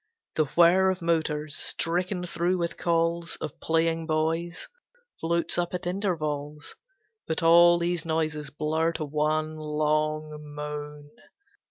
The whir of motors, stricken through with calls Of playing boys, floats up at intervals; But all these noises blur to one long moan.